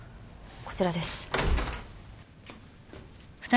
こちらです。